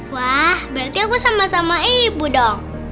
wah berarti aku sama sama ibu dong